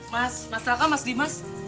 mas masalah kan mas dimas